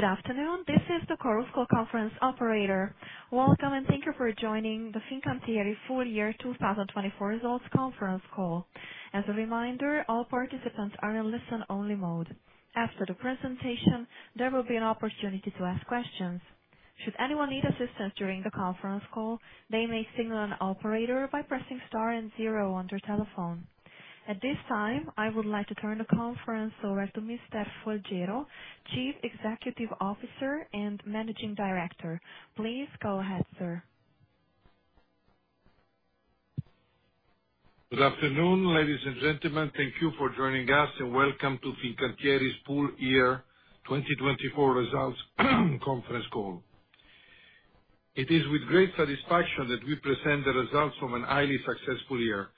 Good afternoon, this is the Coral School conference operator. Welcome and thank you for joining the Fincantieri Full Year 2024 Results Conference Call. As a reminder, all participants are in listen-only mode. After the presentation, there will be an opportunity to ask questions. Should anyone need assistance during the conference call, they may signal an operator by pressing star and zero on their telephone. At this time, I would like to turn the conference over to Mr. Folgiero, Chief Executive Officer and Managing Director. Please go ahead, sir. Good afternoon, ladies and gentlemen. Thank you for joining us and welcome to Fincantieri's Full Year 2024 Results Conference Call. It is with great satisfaction that we present the results of a highly successful year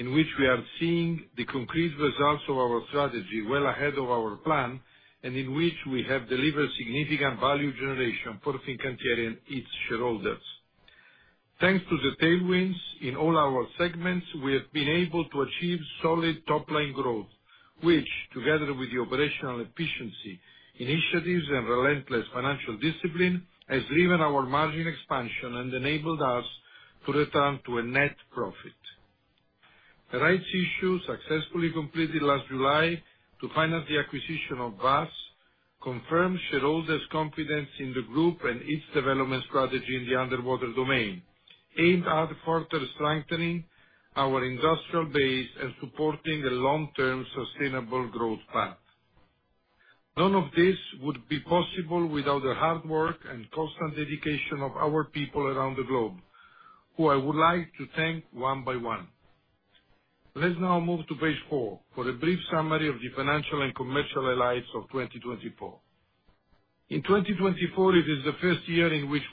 in which we are seeing the concrete results of our strategy well ahead of our plan and in which we have delivered significant value generation for Fincantieri and its shareholders. Thanks to the tailwinds in all our segments, we have been able to achieve solid top-line growth, which, together with the operational efficiency initiatives and relentless financial discipline, has driven our margin expansion and enabled us to return to a net profit. Rights issues successfully completed last July to finance the acquisition of WASS confirms shareholders' confidence in the group and its development strategy in the underwater domain, aimed at further strengthening our industrial base and supporting a long-term sustainable growth path. None of this would be possible without the hard work and constant dedication of our people around the globe, who I would like to thank one by one. Let's now move to phase four for a brief summary of the financial and commercial highlights of 2024. In 2024, it is the first year in which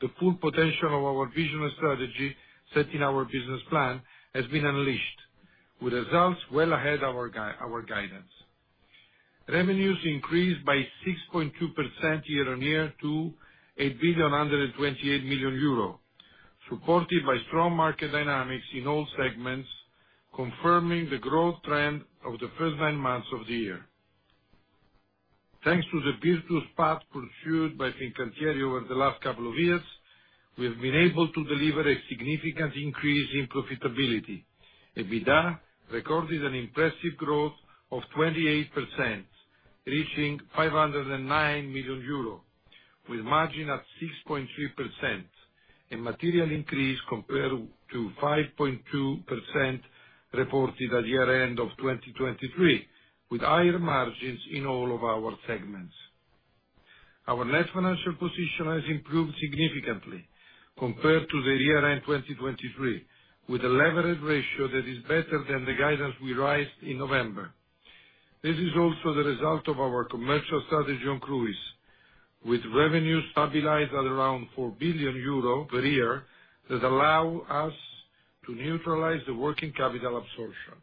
the full potential of our vision and strategy set in our business plan has been unleashed, with results well ahead of our guidance. Revenues increased by 6.2% year-on-year to 8,128 million euro, supported by strong market dynamics in all segments, confirming the growth trend of the first nine months of the year. Thanks to the virtuous path pursued by Fincantieri over the last couple of years, we have been able to deliver a significant increase in profitability. EBITDA recorded an impressive growth of 28%, reaching 509 million euro, with margin at 6.3%, a material increase compared to 5.2% reported at year-end of 2023, with higher margins in all of our segments. Our net financial position has improved significantly compared to the year-end 2023, with a leverage ratio that is better than the guidance we raised in November. This is also the result of our commercial strategy on cruise, with revenues stabilized at around 4 billion euro per year that allow us to neutralize the working capital absorption.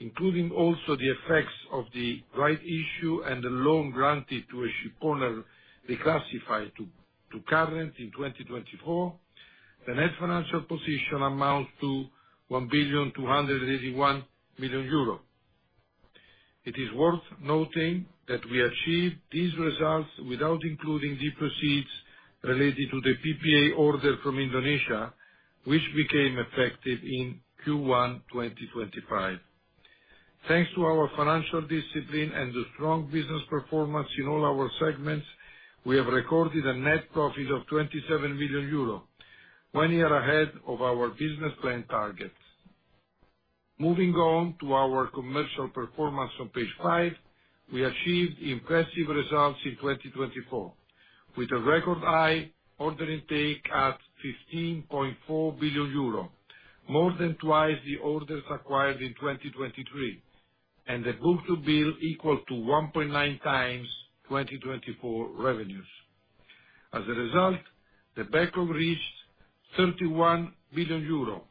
Including also the effects of the rights issue and the loan granted to a shipowner reclassified to current in 2024, the net financial position amounts to 1,281 million euro. It is worth noting that we achieved these results without including the proceeds related to the PPA order from Indonesia, which became effective in Q1 2025. Thanks to our financial discipline and the strong business performance in all our segments, we have recorded a net profit of 27 million euro, one year ahead of our business plan target. Moving on to our commercial performance on page five, we achieved impressive results in 2024, with a record high order intake at 15.4 billion euro, more than twice the orders acquired in 2023, and a book-to-bill equal to 1.9x 2024 revenues. As a result, the backlog reached 31 billion euro,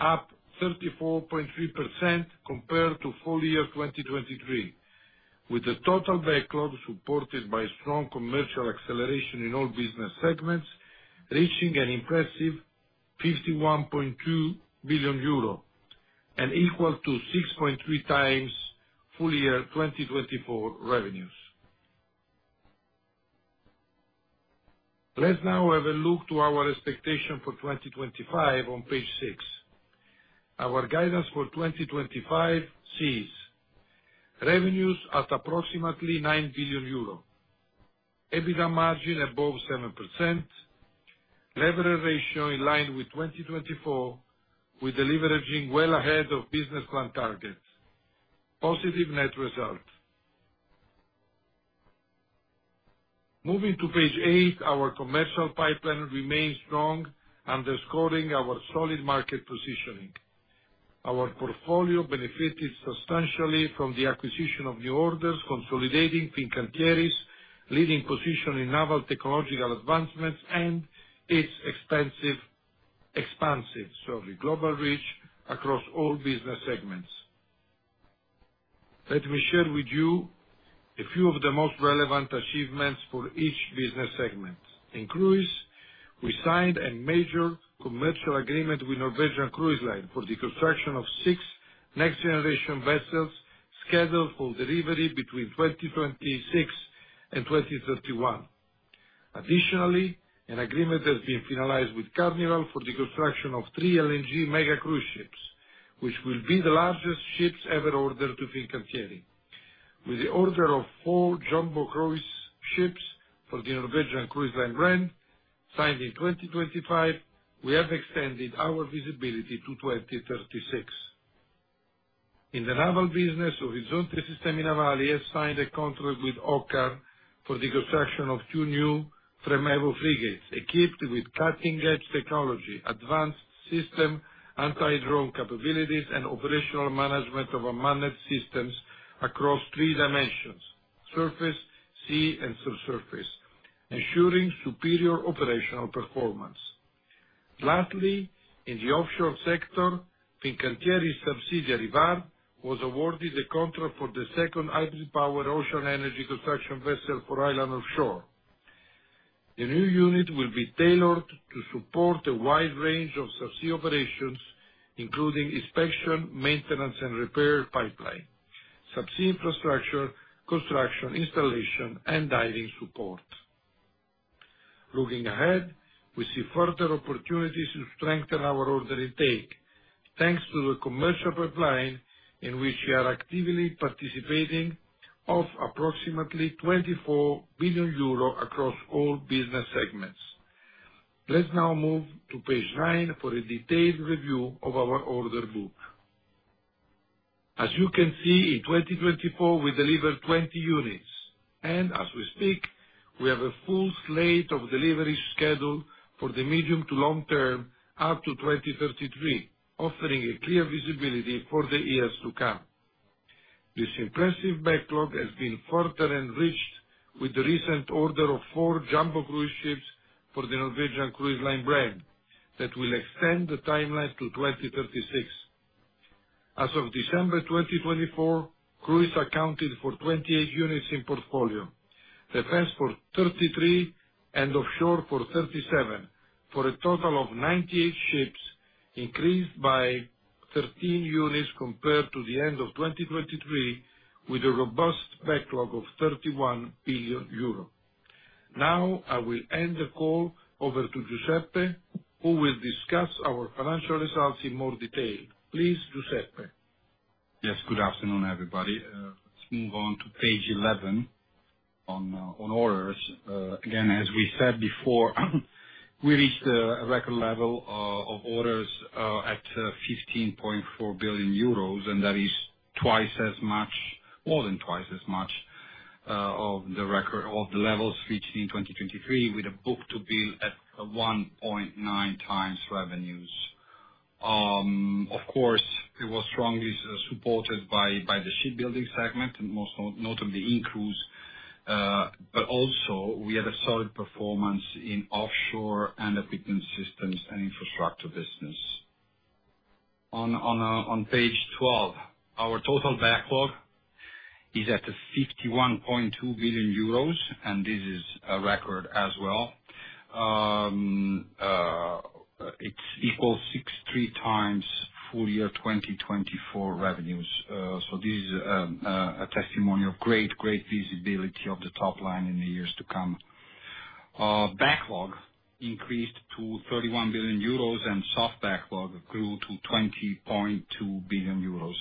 up 34.3% compared to full year 2023, with the total backlog supported by strong commercial acceleration in all business segments, reaching an impressive 51.2 billion euro, and equal to 6.3x full year 2024 revenues. Let's now have a look to our expectation for 2025 on page six. Our guidance for 2025 sees revenues at approximately 9 billion euro, EBITDA margin above 7%, leverage ratio in line with 2024, with the leveraging well ahead of business plan target. Positive net result. Moving to page eight, our commercial pipeline remains strong, underscoring our solid market positioning. Our portfolio benefited substantially from the acquisition of new orders, consolidating Fincantieri's leading position in naval technological advancements and its expansive global reach across all business segments. Let me share with you a few of the most relevant achievements for each business segment. In cruise, we signed a major commercial agreement with Norwegian Cruise Line for the construction of six next-generation vessels scheduled for delivery between 2026 and 2031. Additionally, an agreement has been finalized with Carnival for the construction of three LNG mega cruise ships, which will be the largest ships ever ordered to Fincantieri. With the order of four ships for the Norwegian Cruise Line brand signed in 2025, we have extended our visibility to 2036. In the naval business, Orizzonte Sistemi Navali has signed a contract with OCCAR for the construction of two new FREMM EVO frigates equipped with cutting-edge technology, advanced system anti-drone capabilities, and operational management of unmanned systems across three dimensions: surface, sea, and subsurface, ensuring superior operational performance. Lastly, in the offshore sector, Fincantieri's subsidiary VARD was awarded the contract for the second hybrid power ocean energy construction vessel for Island Offshore. The new unit will be tailored to support a wide range of subsea operations, including inspection, maintenance, and repair pipeline, subsea infrastructure, construction, installation, and diving support. Looking ahead, we see further opportunities to strengthen our order intake, thanks to the commercial pipeline in which we are actively participating of approximately 24 billion euro across all business segments. Let's now move to page nine for a detailed review of our order book. As you can see, in 2024, we delivered 20 units, and as we speak, we have a full slate of deliveries scheduled for the medium to long term up to 2033, offering a clear visibility for the years to come. This impressive backlog has been further enriched with the recent order of four ships for the Norwegian Cruise Line brand that will extend the timeline to 2036. As of December 2024, cruise accounted for 28 units in portfolio, defense for 33, and offshore for 37, for a total of 98 ships, increased by 13 units compared to the end of 2023, with a robust backlog of 31 billion euro. Now, I will end the call over to Giuseppe, who will discuss our financial results in more detail. Please, Giuseppe. Yes, good afternoon, everybody. Let's move on to page 11 on orders. Again, as we said before, we reached a record level of orders at 15.4 billion euros, and that is more than twice as much of the levels reached in 2023, with a book-to-bill at 1.9x revenues. Of course, it was strongly supported by the shipbuilding segment, most notably in cruise, but also we had a solid performance in offshore and equipment systems and infrastructure business. On page 12, our total backlog is at 51.2 billion euros, and this is a record as well. It's equal to 63x full year 2024 revenues. This is a testimony of great, great visibility of the top line in the years to come. Backlog increased to 31 billion euros, and soft backlog grew to 20.2 billion euros.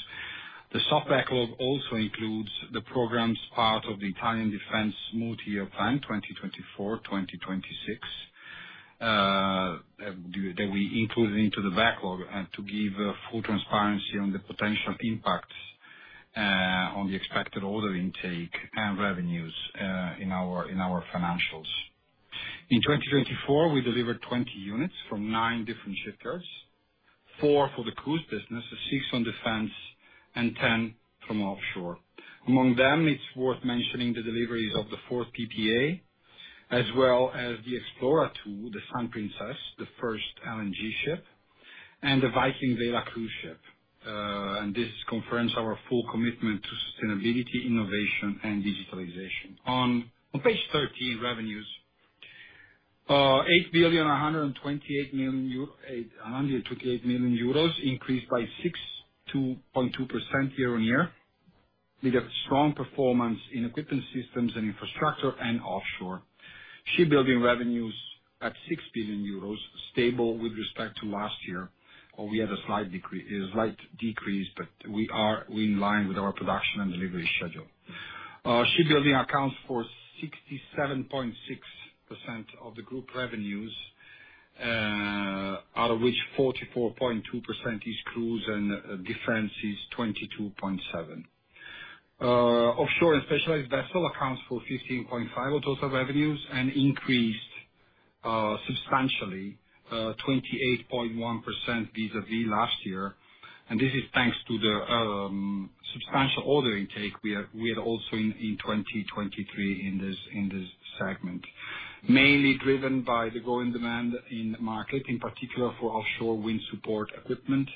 The soft backlog also includes the programs part of the Italian defense multi-year plan 2024, 2026 that we included into the backlog to give full transparency on the potential impacts on the expected order intake and revenues in our financials. In 2024, we delivered 20 units from nine different shipyards, four for the cruise business, six on defense, and ten from offshore. Among them, it's worth mentioning the deliveries of the fourth PPA, as well as the Explora II, the Sun Princess, the first LNG ship, and the Viking Vela cruise ship. This confirms our full commitment to sustainability, innovation, and digitalization. On page 13, revenues, EUR 8,128 billion increased by 62.2% year-on-year. We have strong performance in equipment systems and infrastructure and offshore. Shipbuilding revenues at 6 billion euros, stable with respect to last year. We had a slight decrease, but we are in line with our production and delivery schedule. Shipbuilding accounts for 67.6% of the group revenues, out of which 44.2% is cruise and defense is 22.7%. Offshore and specialized vessel accounts for 15.5% of total revenues and increased substantially, 28.1% vis-à-vis last year. This is thanks to the substantial order intake we had also in 2023 in this segment, mainly driven by the growing demand in the market, in particular for offshore wind support equipment.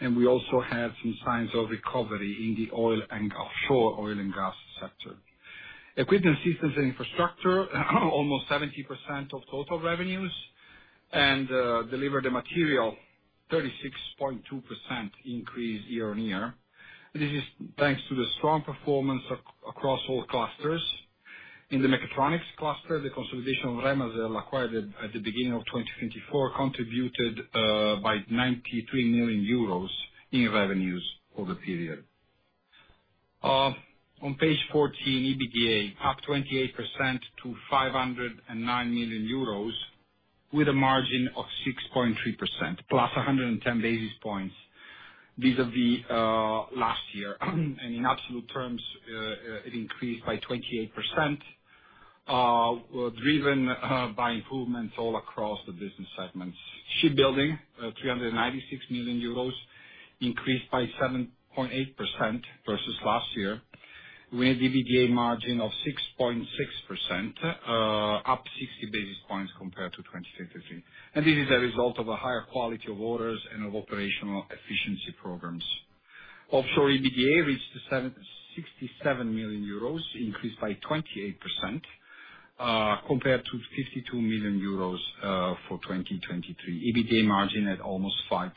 We also have some signs of recovery in the oil and offshore oil and gas sector. Equipment systems and infrastructure, almost 70% of total revenues, delivered the material, 36.2% increase year-on-year. This is thanks to the strong performance across all clusters. In the mechatronics cluster, the consolidation of Remazel acquired at the beginning of 2024 contributed by 93 million euros in revenues for the period. On page 14, EBITDA up 28% to 509 million euros with a margin of 6.3%, plus 110 basis points vis-à-vis last year. In absolute terms, it increased by 28%, driven by improvements all across the business segments. Shipbuilding, 396 million euros, increased by 7.8% versus last year. We had EBITDA margin of 6.6%, up 60 basis points compared to 2023. This is a result of a higher quality of orders and of operational efficiency programs. Offshore EBITDA reached 67 million euros, increased by 28% compared to 52 million euros for 2023. EBITDA margin at almost 5%.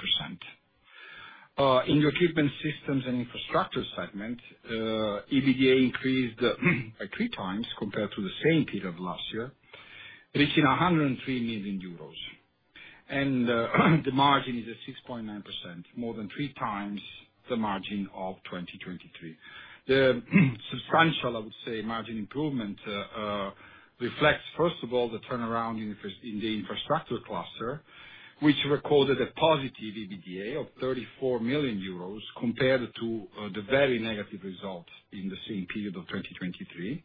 In the equipment systems and infrastructure segment, EBITDA increased by three times compared to the same period of last year, reaching 103 million euros. The margin is at 6.9%, more than three times the margin of 2023. The substantial, I would say, margin improvement reflects, first of all, the turnaround in the infrastructure cluster, which recorded a positive EBITDA of 34 million euros compared to the very negative result in the same period of 2023.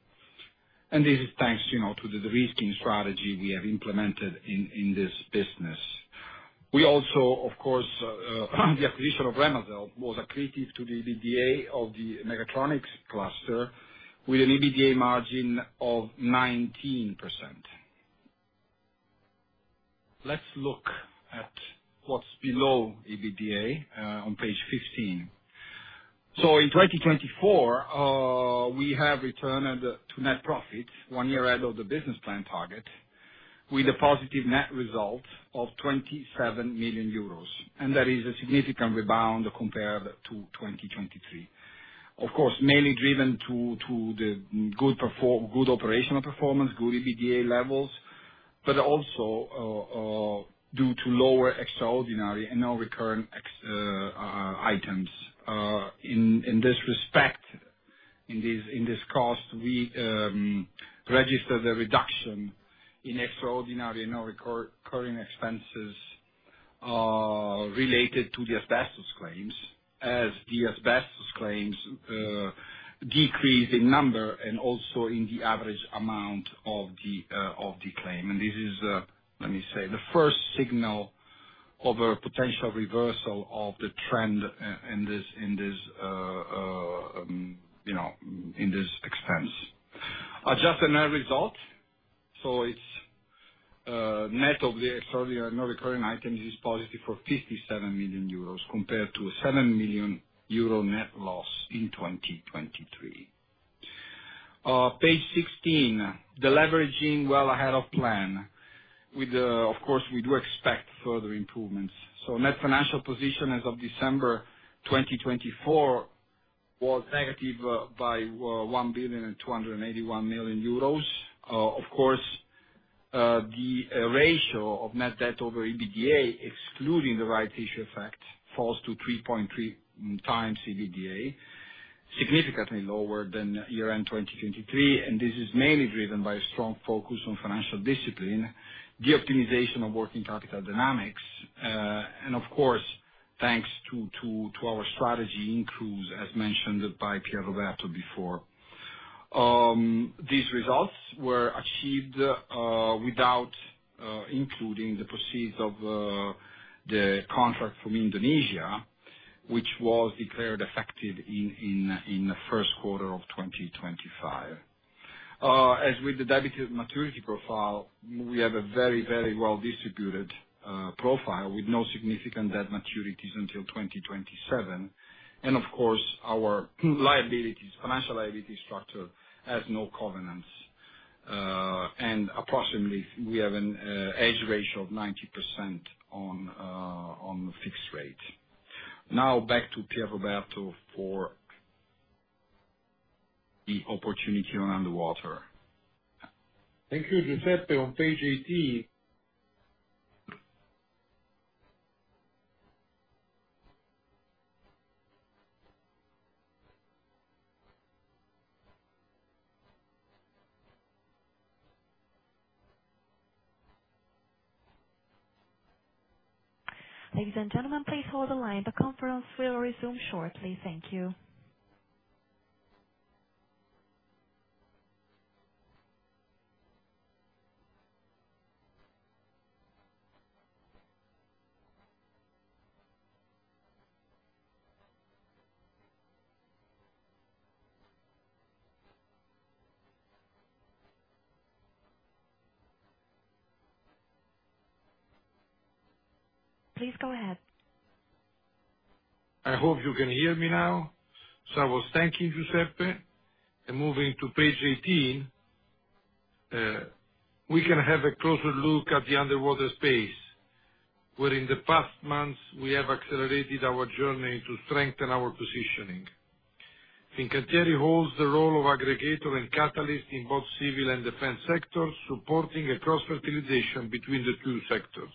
This is thanks to the risking strategy we have implemented in this business. We also, of course, the acquisition of Remazel was a credit to the EBITDA of the mechatronics cluster, with an EBITDA margin of 19%. Let's look at what's below EBITDA on page 15. In 2024, we have returned to net profit one year ahead of the business plan target, with a positive net result of 27 million euros. That is a significant rebound compared to 2023. Of course, mainly driven by the good operational performance, good EBITDA levels, but also due to lower extraordinary and non-recurrent items. In this respect, in this cost, we registered a reduction in extraordinary and non-recurring expenses related to the asbestos claims, as the asbestos claims decreased in number and also in the average amount of the claim. This is, let me say, the first signal of a potential reversal of the trend in this expense. Adjusted net result, so it is net of the extraordinary and non-recurring items, is positive for 57 million euros compared to a 7 million euro net loss in 2023. Page 16, the leveraging well ahead of plan. Of course, we do expect further improvements. Net financial position as of December 2024 was negative by 1,281 billion. The ratio of net debt over EBITDA, excluding the rights issue effect, falls to 3.3x EBITDA, significantly lower than year-end 2023. This is mainly driven by a strong focus on financial discipline, the optimization of working capital dynamics, and of course, thanks to our strategy in cruise, as mentioned by Pierroberto before. These results were achieved without including the proceeds of the contract from Indonesia, which was declared effective in the first quarter of 2025. As with the debt maturity profile, we have a very, very well-distributed profile with no significant debt maturities until 2027. Of course, our financial liability structure has no covenants. Approximately, we have a hedge ratio of 90% on fixed rate. Now, back to Pierroberto for the opportunity on underwater. Thank you, Giuseppe. On page 18. Ladies and gentlemen, please hold the line. The conference will resume shortly. Thank you. Please go ahead. I hope you can hear me now. I was thanking Giuseppe and moving to page 18. We can have a closer look at the underwater space, where in the past months, we have accelerated our journey to strengthen our positioning. Fincantieri holds the role of aggregator and catalyst in both civil and defense sectors, supporting cross fertilization between the two sectors.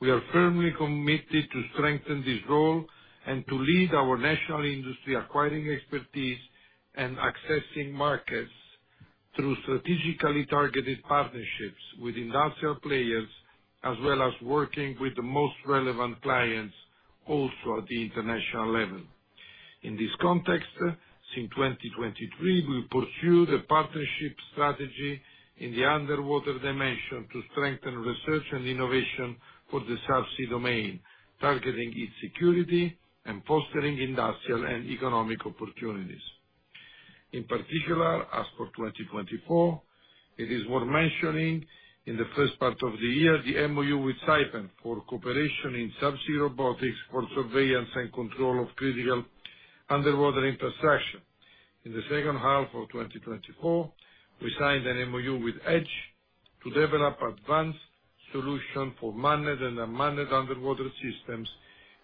We are firmly committed to strengthen this role and to lead our national industry acquiring expertise and accessing markets through strategically targeted partnerships with industrial players, as well as working with the most relevant clients also at the international level. In this context, since 2023, we pursued a partnership strategy in the underwater dimension to strengthen research and innovation for the subsea domain, targeting its security and fostering industrial and economic opportunities. In particular, as for 2024, it is worth mentioning in the first part of the year, the MoU with Saipem for cooperation in subsea robotics for surveillance and control of critical underwater infrastructure. In the second half of 2024, we signed an MoU with EDGE to develop advanced solutions for manned and unmanned underwater systems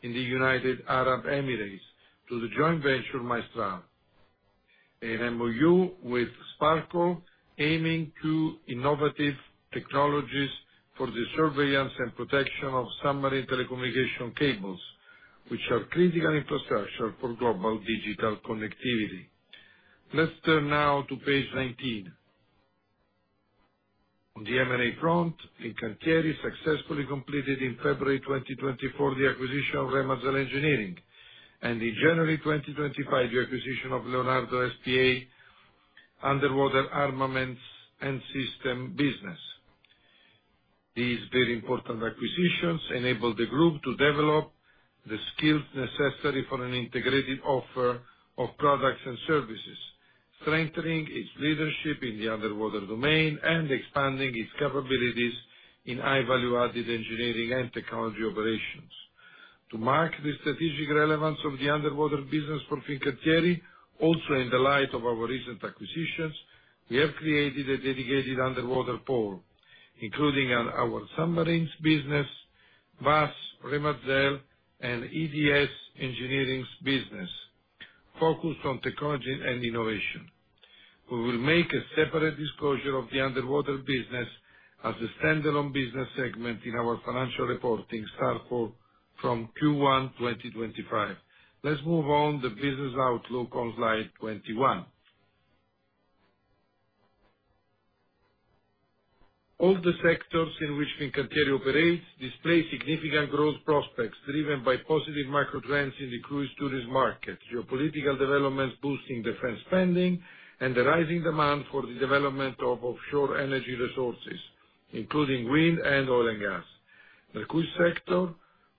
in the United Arab Emirates to the joint venture MAESTRAL. An MoU with Sparkle aiming to innovative technologies for the surveillance and protection of submarine telecommunication cables, which are critical infrastructure for global digital connectivity. Let's turn now to page 19. On the M&A front, Fincantieri successfully completed in February 2024 the acquisition of Remazel Engineering, and in January 2025, the acquisition of Leonardo S.p.A. Underwater Armaments & Systems business. These very important acquisitions enabled the group to develop the skills necessary for an integrated offer of products and services, strengthening its leadership in the underwater domain and expanding its capabilities in high-value-added engineering and technology operations. To mark the strategic relevance of the underwater business for Fincantieri, also in the light of our recent acquisitions, we have created a dedicated underwater pole, including our submarines business, WASS, Remazel, and [IDS] engineering business, focused on technology and innovation. We will make a separate disclosure of the underwater business as a standalone business segment in our financial reporting starting from Q1 2025. Let's move on to the business outlook on slide 21. All the sectors in which Fincantieri operates display significant growth prospects driven by positive macro trends in the cruise tourism market, geopolitical developments boosting defense spending, and the rising demand for the development of offshore energy resources, including wind and oil and gas. The cruise sector,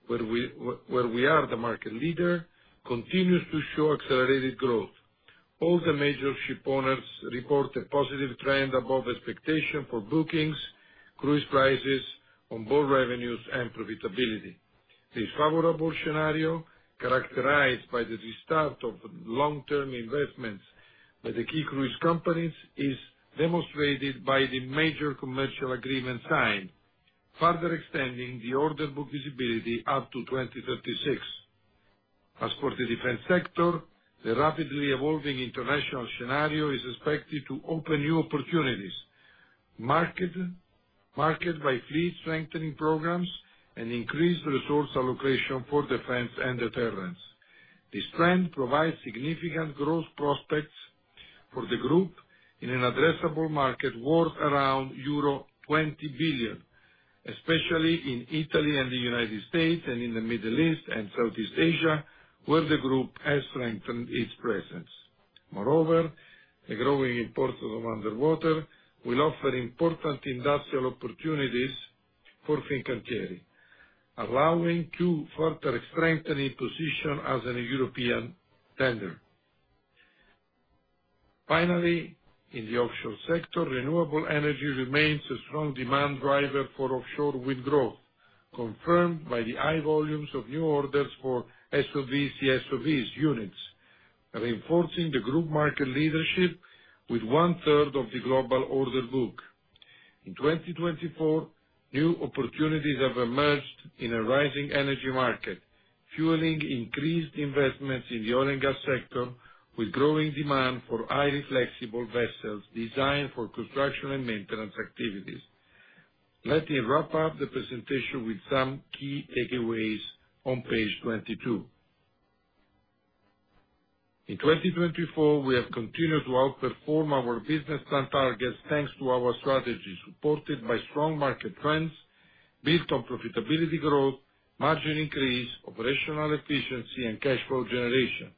where we are the market leader, continues to show accelerated growth. All the major shipowners report a positive trend above expectation for bookings, cruise prices, onboard revenues, and profitability. This favorable scenario, characterized by the restart of long-term investments by the key cruise companies, is demonstrated by the major commercial agreements signed, further extending the order book visibility up to 2036. As for the defense sector, the rapidly evolving international scenario is expected to open new opportunities, marketed by fleet strengthening programs and increased resource allocation for defense and deterrence. This trend provides significant growth prospects for the group in an addressable market worth around euro 20 billion, especially in Italy and the United States and in the Middle East and Southeast Asia, where the group has strengthened its presence. Moreover, the growing importance of underwater will offer important industrial opportunities for Fincantieri, allowing further strengthening position as a European tender. Finally, in the offshore sector, renewable energy remains a strong demand driver for offshore wind growth, confirmed by the high volumes of new orders for SOVs, CSOVs, units, reinforcing the group market leadership with 1/3 of the global order book. In 2024, new opportunities have emerged in a rising energy market, fueling increased investments in the oil and gas sector with growing demand for highly flexible vessels designed for construction and maintenance activities. Let me wrap up the presentation with some key takeaways on page 22. In 2024, we have continued to outperform our business plan targets thanks to our strategy supported by strong market trends built on profitability growth, margin increase, operational efficiency, and cash flow generation.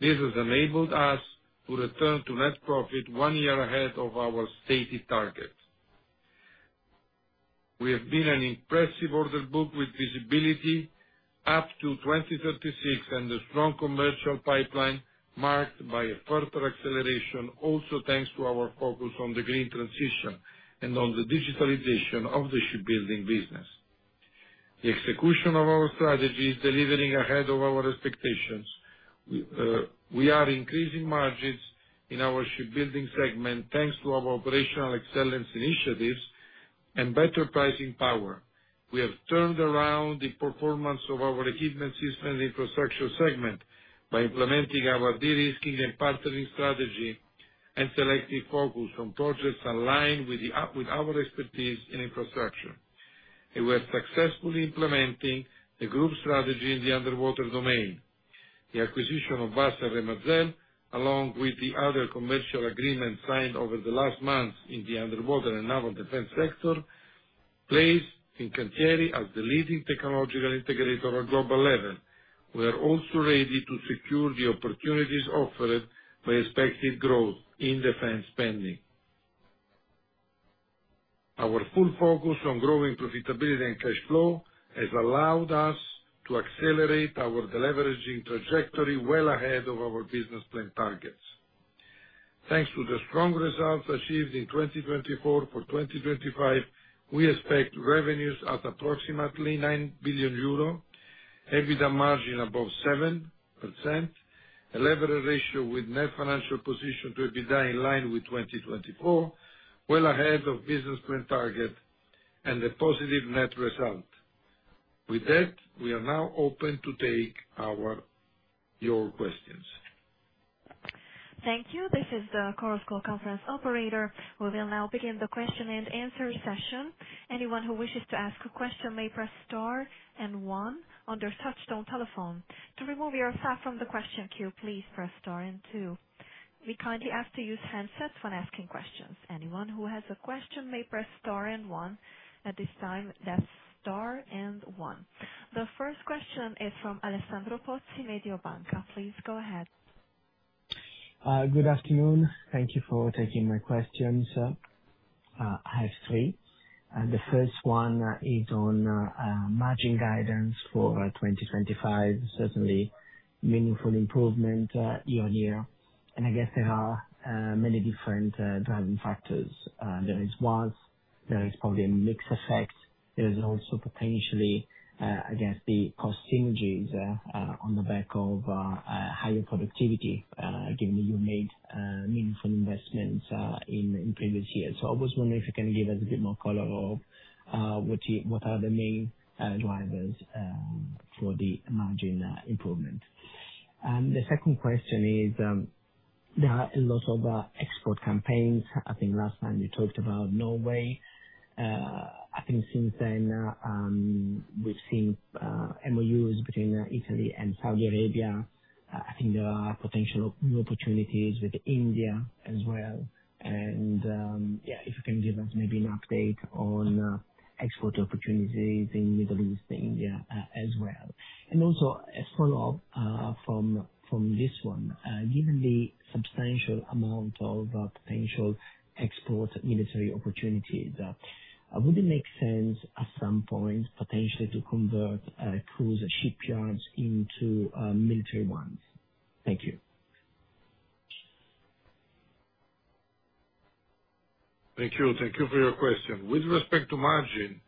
This has enabled us to return to net profit one year ahead of our stated target. We have an impressive order book with visibility up to 2036 and a strong commercial pipeline marked by a further acceleration, also thanks to our focus on the green transition and on the digitalization of the shipbuilding business. The execution of our strategy is delivering ahead of our expectations. We are increasing margins in our shipbuilding segment thanks to our operational excellence initiatives and better pricing power. We have turned around the performance of our equipment system and infrastructure segment by implementing our de-risking and partnering strategy and selective focus on projects aligned with our expertise in infrastructure. We are successfully implementing the group strategy in the underwater domain. The acquisition of WASS and Remazel, along with the other commercial agreements signed over the last months in the underwater and naval defense sector, places Fincantieri as the leading technological integrator on global level. We are also ready to secure the opportunities offered by expected growth in defense spending. Our full focus on growing profitability and cash flow has allowed us to accelerate our leveraging trajectory well ahead of our business plan targets. Thanks to the strong results achieved in 2024, for 2025, we expect revenues at approximately 9 billion euro, EBITDA margin above 7%, a leverage ratio with net financial position to EBITDA in line with 2024, well ahead of business plan target, and a positive net result. With that, we are now open to take your questions. Thank you. This is the Coros call conference operator. We will now begin the question and answer session. Anyone who wishes to ask a question may press star and one on your touchstone telephone. To remove yourself from the question queue, please press star and two. We kindly ask to use handsets when asking questions. Anyone who has a question may press star and one. At this time, that's star and one. The first question is from Alessandro Pozzi, Mediobanca. Please go ahead. Good afternoon. Thank you for taking my questions. I have three. The first one is on margin guidance for 2025, certainly meaningful improvement year on year. I guess there are many different driving factors. There is WASS. There is probably a mixed effect. There is also potentially, I guess, the cost synergies on the back of higher productivity, given that you made meaningful investments in previous years. I was wondering if you can give us a bit more color of what are the main drivers for the margin improvement. The second question is there are a lot of export campaigns. I think last time you talked about Norway. I think since then, we've seen MoUs between Italy and Saudi Arabia. I think there are potential new opportunities with India as well. If you can give us maybe an update on export opportunities in the Middle East and India as well. Also, a follow-up from this one. Given the substantial amount of potential export military opportunities, would it make sense at some point potentially to convert cruise shipyards into military ones? Thank you. Thank you. Thank you for your question. With respect to margin,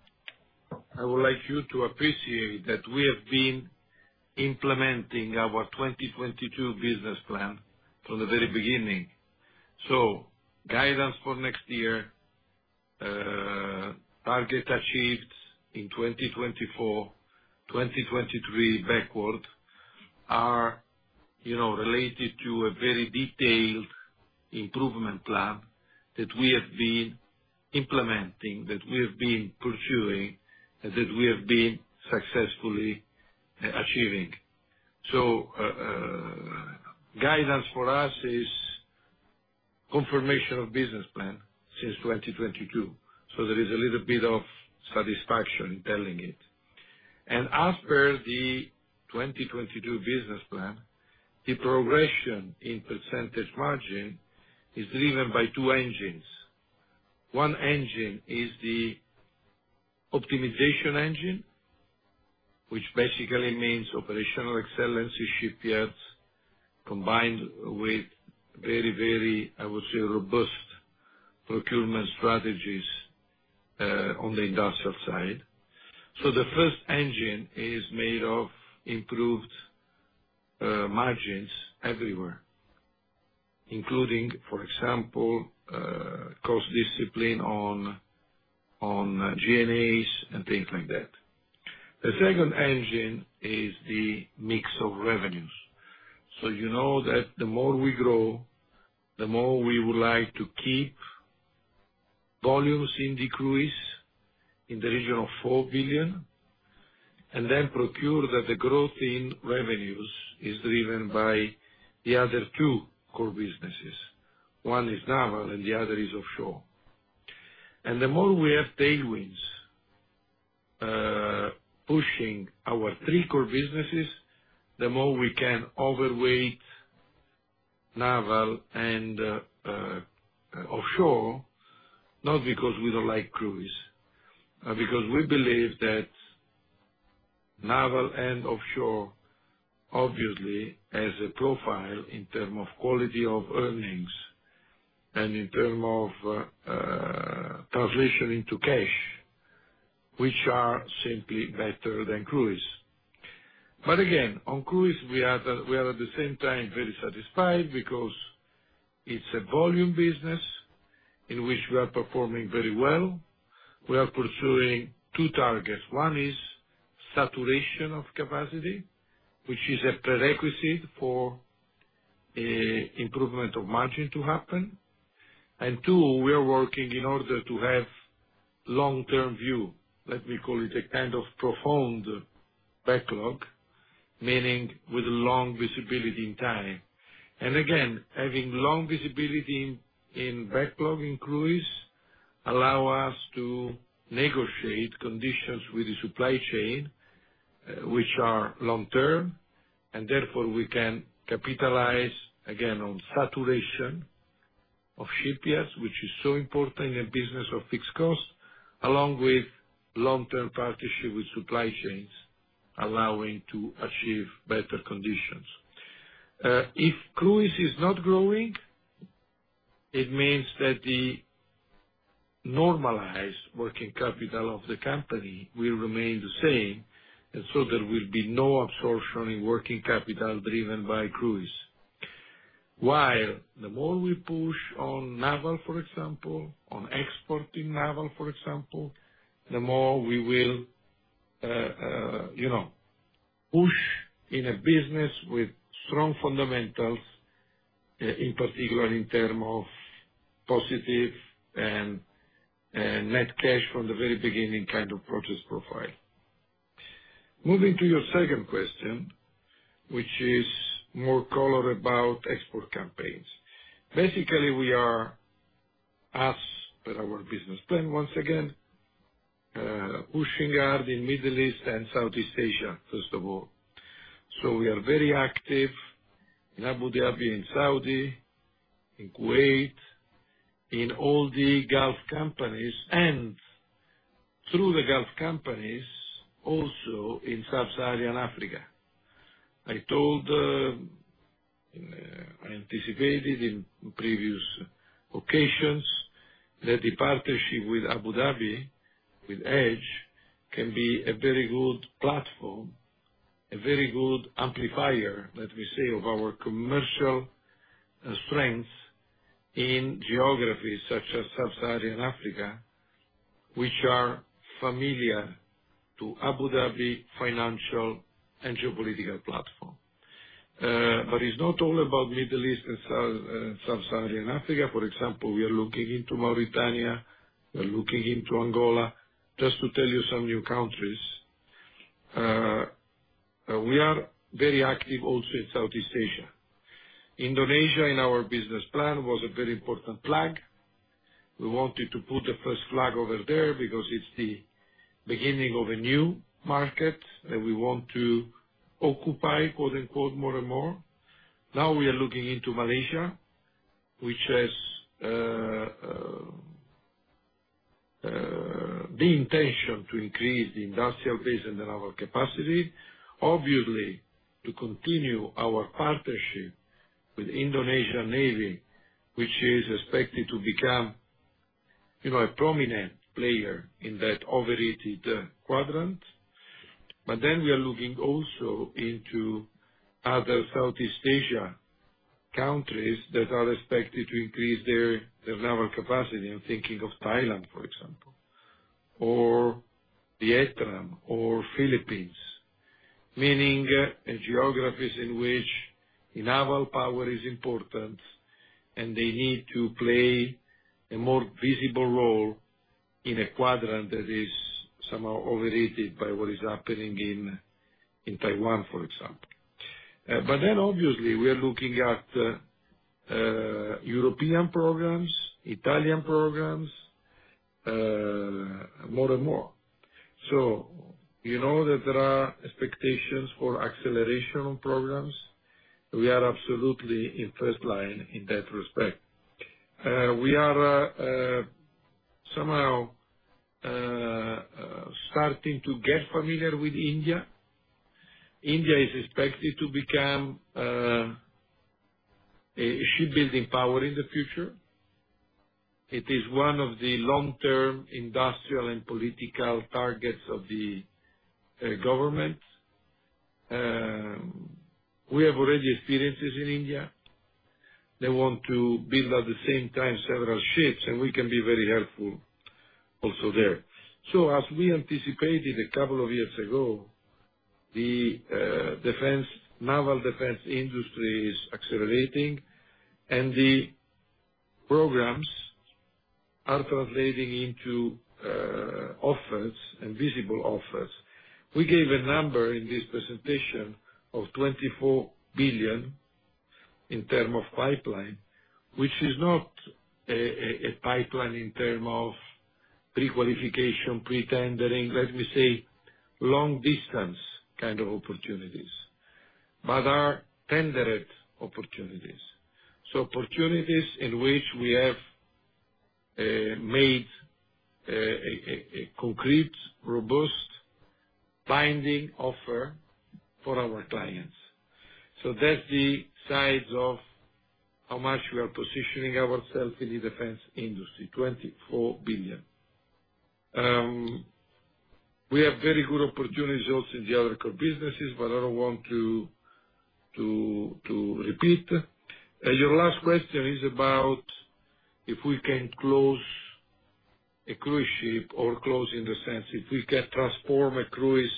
I would like you to appreciate that we have been implementing our 2022 business plan from the very beginning. Guidance for next year, target achieved in 2024, 2023 backward, are related to a very detailed improvement plan that we have been implementing, that we have been pursuing, and that we have been successfully achieving. Guidance for us is confirmation of business plan since 2022. There is a little bit of satisfaction in telling it. As per the 2022 business plan, the progression in percentage margin is driven by two engines. One engine is the optimization engine, which basically means operational excellency shipyards combined with very, very, I would say, robust procurement strategies on the industrial side. The first engine is made of improved margins everywhere, including, for example, cost discipline on G&As and things like that. The second engine is the mix of revenues. You know that the more we grow, the more we would like to keep volumes in the cruise in the region of 4 billion and then procure that the growth in revenues is driven by the other two core businesses. One is naval and the other is offshore. The more we have tailwinds pushing our three core businesses, the more we can overweight naval and offshore, not because we do not like cruise, but because we believe that naval and offshore, obviously, has a profile in terms of quality of earnings and in terms of translation into cash, which are simply better than cruise. Again, on cruise, we are at the same time very satisfied because it's a volume business in which we are performing very well. We are pursuing two targets. One is saturation of capacity, which is a prerequisite for improvement of margin to happen. Two, we are working in order to have long-term view. Let me call it a kind of profound backlog, meaning with long visibility in time. Again, having long visibility in backlog in cruise allows us to negotiate conditions with the supply chain, which are long-term, and therefore we can capitalize, again, on saturation of shipyards, which is so important in a business of fixed cost, along with long-term partnership with supply chains allowing to achieve better conditions. If cruise is not growing, it means that the normalized working capital of the company will remain the same, and so there will be no absorption in working capital driven by cruise. While the more we push on naval, for example, on exporting naval, for example, the more we will push in a business with strong fundamentals, in particular in terms of positive and net cash from the very beginning kind of process profile. Moving to your second question, which is more color about export campaigns. Basically, we are as per our business plan, once again, pushing hard in the Middle East and Southeast Asia, first of all. We are very active in Abu Dhabi and Saudi, in Kuwait, in all the Gulf companies, and through the Gulf companies, also in Sub-Saharan Africa. I told, I anticipated in previous occasions that the partnership with Abu Dhabi, with EDGE, can be a very good platform, a very good amplifier, let me say, of our commercial strengths in geographies such as Sub-Saharan Africa, which are familiar to Abu Dhabi financial and geopolitical platform. It is not all about Middle East and Sub-Saharan Africa. For example, we are looking into Mauritania. We are looking into Angola. Just to tell you some new countries, we are very active also in Southeast Asia. Indonesia, in our business plan, was a very important flag. We wanted to put the first flag over there because it is the beginning of a new market that we want to occupy, quote-unquote, more and more. Now we are looking into Malaysia, which has the intention to increase the industrial base and the naval capacity, obviously, to continue our partnership with the Indonesian Navy, which is expected to become a prominent player in that overrated quadrant. We are looking also into other Southeast Asia countries that are expected to increase their naval capacity. I'm thinking of Thailand, for example, or Vietnam, or Philippines, meaning geographies in which naval power is important and they need to play a more visible role in a quadrant that is somehow overrated by what is happening in Taiwan, for example. We are looking at European programs, Italian programs, more and more. You know that there are expectations for acceleration of programs. We are absolutely in first line in that respect. We are somehow starting to get familiar with India. India is expected to become a shipbuilding power in the future. It is one of the long-term industrial and political targets of the government. We have already experiences in India. They want to build at the same time several ships, and we can be very helpful also there. As we anticipated a couple of years ago, the naval defense industry is accelerating, and the programs are translating into offers and visible offers. We gave a number in this presentation of 24 billion in terms of pipeline, which is not a pipeline in terms of pre-qualification, pre-tendering, let me say, long-distance kind of opportunities, but are tendered opportunities. Opportunities in which we have made a concrete, robust binding offer for our clients. That is the size of how much we are positioning ourselves in the defense industry, 24 billion. We have very good opportunities also in the other core businesses, but I don't want to repeat. Your last question is about if we can close a cruise ship or close in the sense if we can transform a cruise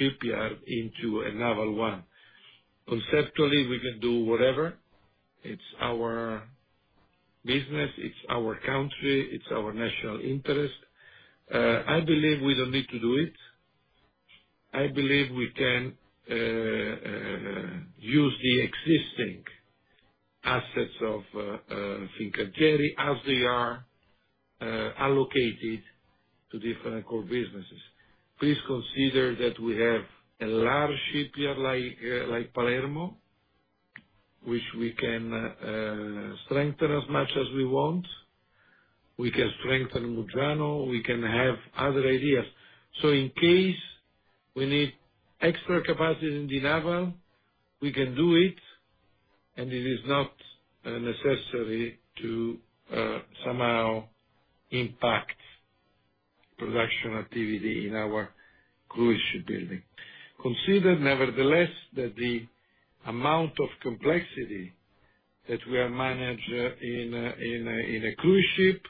shipyard into a naval one. Conceptually, we can do whatever. It's our business. It's our country. It's our national interest. I believe we don't need to do it. I believe we can use the existing assets of Fincantieri as they are allocated to different core businesses. Please consider that we have a large shipyard like Palermo, which we can strengthen as much as we want. We can strengthen Muggiano. We can have other ideas. In case we need extra capacity in the naval, we can do it, and it is not necessary to somehow impact production activity in our cruise shipbuilding. Consider, nevertheless, that the amount of complexity that we have managed in a cruise ship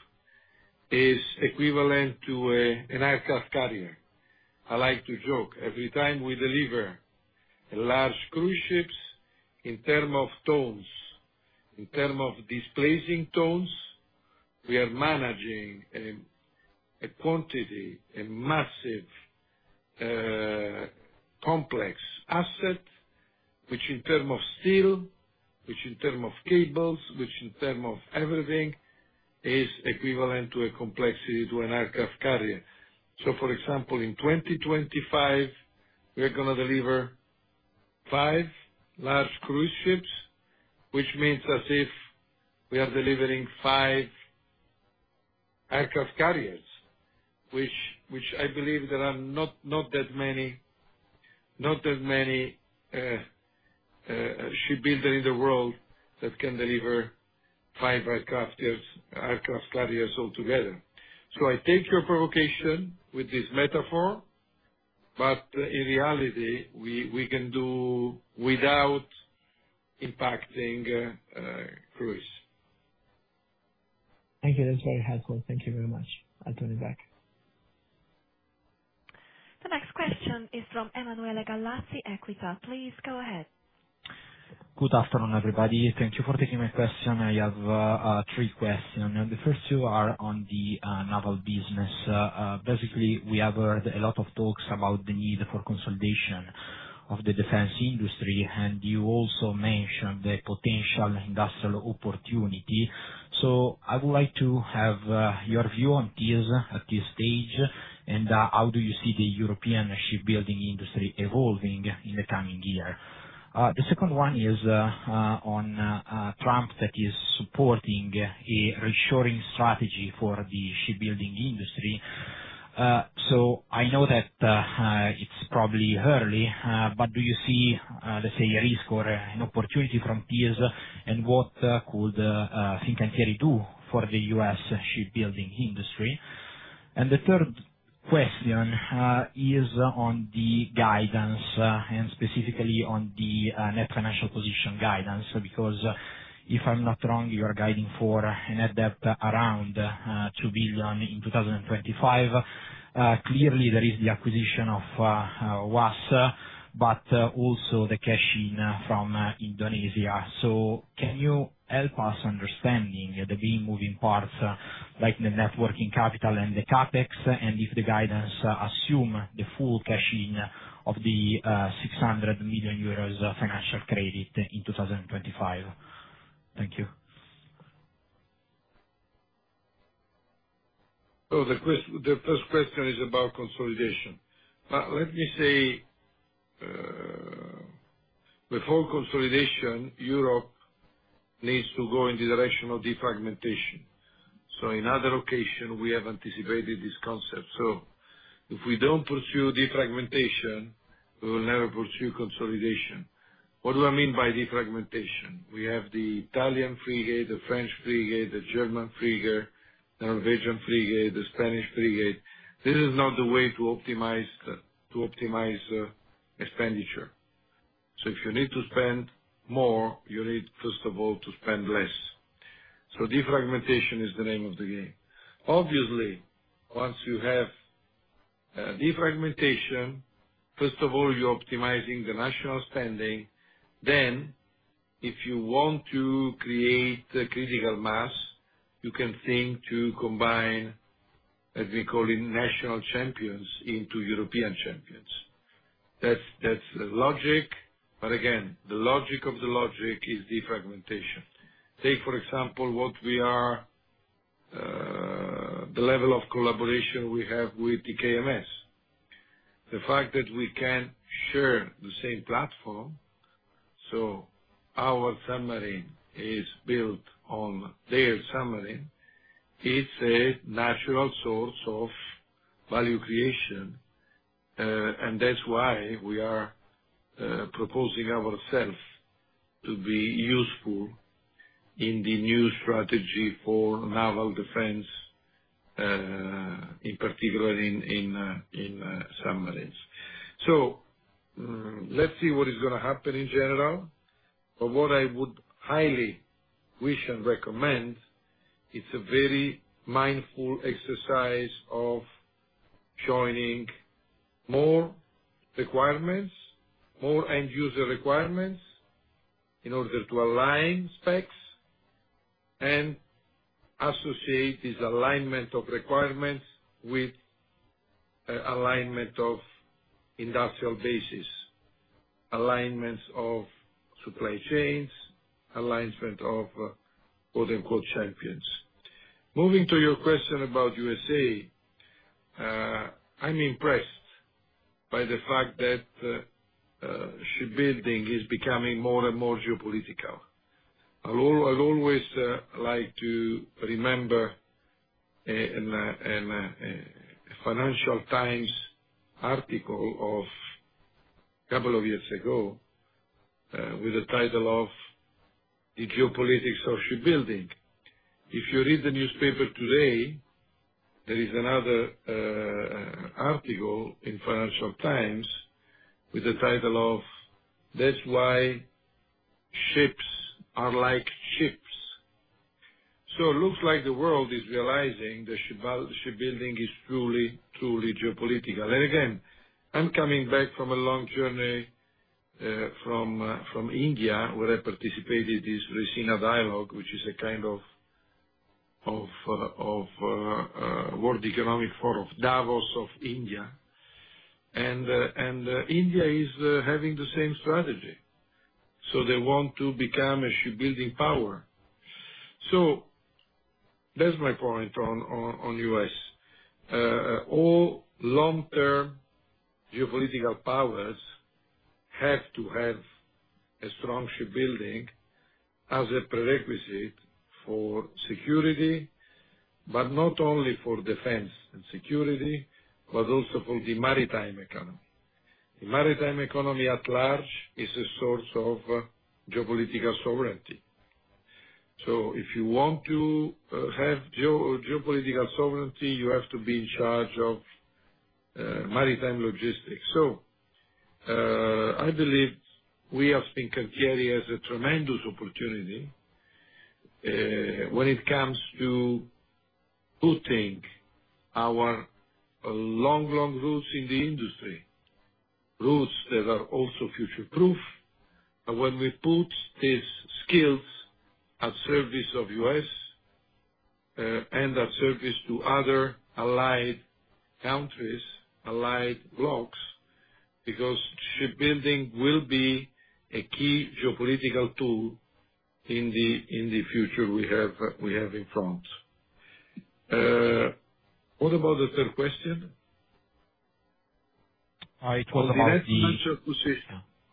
is equivalent to an aircraft carrier. I like to joke. Every time we deliver large cruise ships, in terms of tons, in terms of displacing tons, we are managing a quantity, a massive, complex asset, which in terms of steel, which in terms of cables, which in terms of everything, is equivalent to a complexity to an aircraft carrier. For example, in 2025, we are going to deliver five large cruise ships, which means as if we are delivering five aircraft carriers, which I believe there are not that many shipbuilders in the world that can deliver five aircraft carriers altogether. I take your provocation with this metaphor, but in reality, we can do without impacting cruise. Thank you. That's very helpful. Thank you very much. I'll turn it back. The next question is from Emanuele Gallazzi EQUITA. Please go ahead. Good afternoon, everybody. Thank you for taking my question. I have three questions. The first two are on the naval business. Basically, we have heard a lot of talks about the need for consolidation of the defense industry, and you also mentioned the potential industrial opportunity. I would like to have your view on this at this stage and how do you see the European shipbuilding industry evolving in the coming year. The second one is on Trump that is supporting a reassuring strategy for the shipbuilding industry. I know that it's probably early, but do you see, let's say, a risk or an opportunity from these and what could Fincantieri do for the U.S. shipbuilding industry? The third question is on the guidance and specifically on the net financial position guidance, because if I'm not wrong, you are guiding for a debt around 2 billion in 2025. Clearly, there is the acquisition of WASS, but also the cashing from Indonesia. Can you help us understanding the main moving parts like the net working capital and the CapEx? Does the guidance assume the full cashing of the 600 million euros financial credit in 2025? Thank you. The first question is about consolidation. Let me say, before consolidation, Europe needs to go in the direction of defragmentation. In other locations, we have anticipated this concept. If we do not pursue defragmentation, we will never pursue consolidation. What do I mean by defragmentation? We have the Italian frigate, the French frigate, the German frigate, the Norwegian frigate, the Spanish frigate. This is not the way to optimize expenditure. If you need to spend more, you need, first of all, to spend less. Defragmentation is the name of the game. Obviously, once you have defragmentation, first of all, you are optimizing the national spending. If you want to create a critical mass, you can think to combine, let me call it, national champions into European champions. That is the logic. Again, the logic of the logic is defragmentation. Take, for example, what we are, the level of collaboration we have with TKMS. The fact that we can share the same platform, so our submarine is built on their submarine, it's a natural source of value creation, and that's why we are proposing ourselves to be useful in the new strategy for naval defense, in particular in submarines. Let's see what is going to happen in general. What I would highly wish and recommend, it's a very mindful exercise of joining more requirements, more end-user requirements in order to align specs and associate this alignment of requirements with alignment of industrial bases, alignments of supply chains, alignment of quote-unquote champions. Moving to your question about the U.S.A., I'm impressed by the fact that shipbuilding is becoming more and more geopolitical. I always like to remember a Financial Times article of a couple of years ago with the title of The Geopolitics of Shipbuilding. If you read the newspaper today, there is another article in Financial Times with the title of That's Why Ships Are Like Chips. It looks like the world is realizing that shipbuilding is truly, truly geopolitical. Again, I'm coming back from a long journey from India where I participated in this [Raisina] dialogue, which is a kind of World Economic Forum, Davos of India. India is having the same strategy. They want to become a shipbuilding power. That's my point on the U.S.. All long-term geopolitical powers have to have a strong shipbuilding as a prerequisite for security, not only for defense and security, but also for the maritime economy. The maritime economy at large is a source of geopolitical sovereignty. If you want to have geopolitical sovereignty, you have to be in charge of maritime logistics. I believe we have Fincantieri as a tremendous opportunity when it comes to putting our long, long routes in the industry, routes that are also future-proof. When we put these skills at service of the U.S. and at service to other allied countries, allied blocs, because shipbuilding will be a key geopolitical tool in the future we have in front. What about the third question?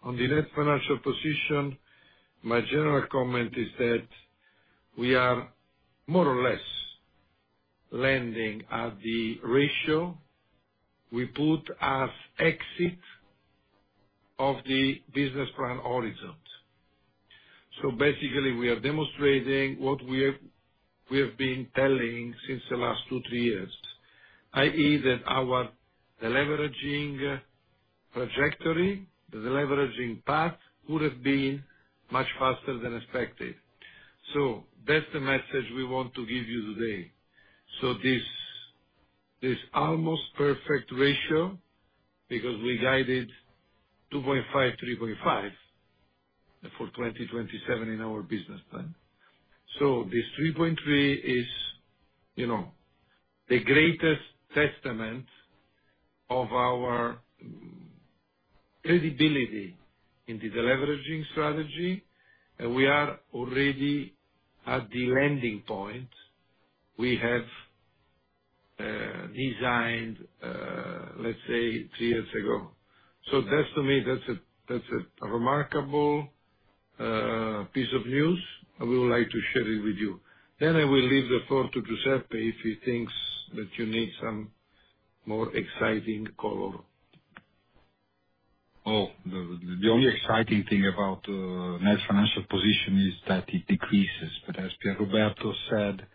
On the net financial position, my general comment is that we are more or less landing at the ratio we put as exit of the business plan horizon. Basically, we are demonstrating what we have been telling since the last two, three years, i.e., that the leveraging trajectory, the leveraging path would have been much faster than expected. That is the message we want to give you today. This almost perfect ratio, because we guided 2.5x, 3.5x for 2027 in our business plan. This 3.3x is the greatest testament of our credibility in the leveraging strategy. We are already at the landing point we have designed, let's say, three years ago. To me, that is a remarkable piece of news. I would like to share it with you. I will leave the floor to Giuseppe if he thinks that you need some more exciting color. Oh, the only exciting thing about the net financial position is that it decreases. But as Pierroberto said,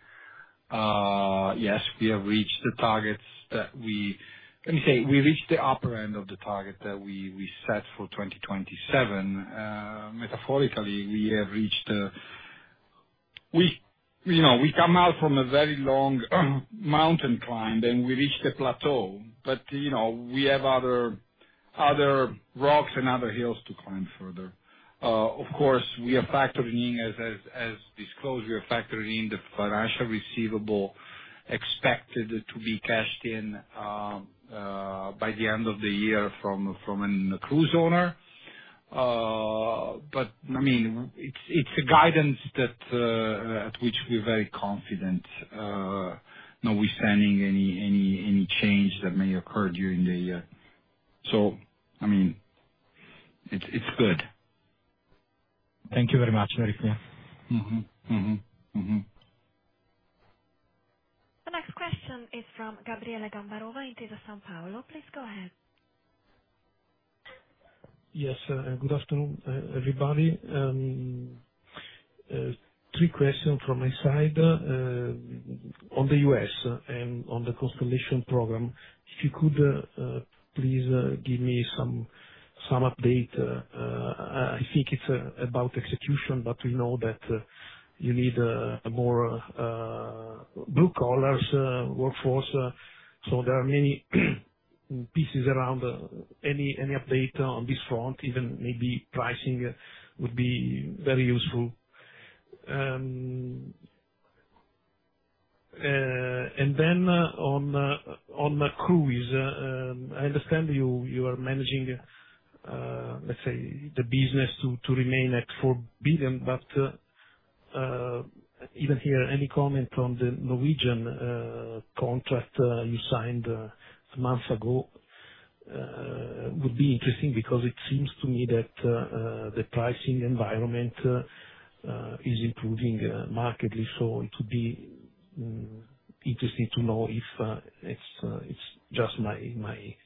yes, we have reached the targets that we, let me say, we reached the upper end of the target that we set for 2027. Metaphorically, we have reached the, we come out from a very long mountain climb, and we reached the plateau. But we have other rocks and other hills to climb further. Of course, we are factoring in, as disclosed, we are factoring in the financial receivable expected to be cashed in by the end of the year from a cruise owner. I mean, it's a guidance at which we're very confident. No wasting any change that may occur during the year. I mean, it's good. Thank you very much, very clear. The next question is from Gabriele Gambarova in Intesa Sanpaolo. Please go ahead. Yes. Good afternoon, everybody. Three questions from my side on the U.S. and on the consolidation program. If you could please give me some update. I think it's about execution, but we know that you need more blue-collar workforce. There are many pieces around. Any update on this front, even maybe pricing, would be very useful. On cruise, I understand you are managing, let's say, the business to remain at EUR 4 billion. Even here, any comment on the Norwegian contract you signed a month ago would be interesting because it seems to me that the pricing environment is improving markedly. It would be interesting to know if it's just my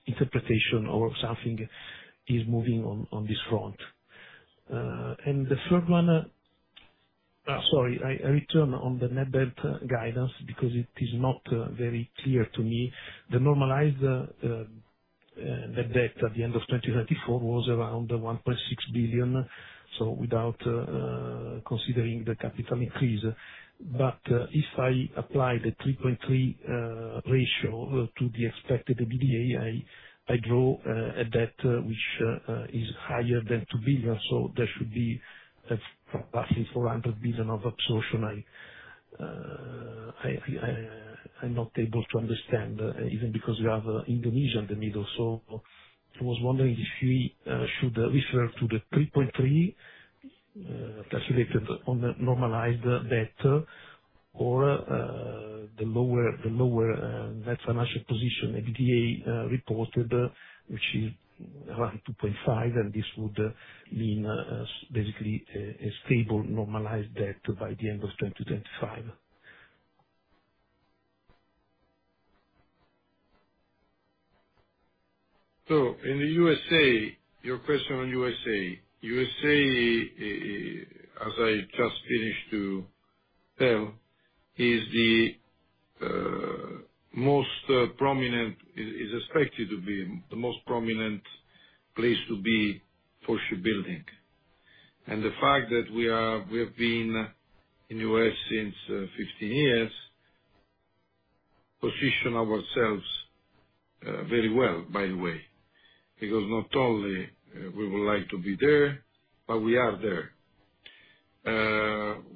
interpretation or something is moving on this front. The third one, sorry, I return on the net debt guidance because it is not very clear to me. The normalized net debt at the end of 2024 was around 1.6 billion, without considering the capital increase. If I apply the 3.3x ratio to the expected EBITDA, I draw a debt which is higher than 2 billion. There should be roughly 400 million of absorption. I'm not able to understand, even because we have Indonesia in the middle. I was wondering if we should refer to the 3.3x calculated on the normalized debt or the lower net financial position EBITDA reported, which is around 2.5x, and this would mean basically a stable normalized debt by the end of 2025. In the U.S.A., your question on U.S.A., U.S.A., as I just finished to tell, is the most prominent, is expected to be the most prominent place to be for shipbuilding. The fact that we have been in the U.S. since 15 years positions ourselves very well, by the way, because not only we would like to be there, but we are there.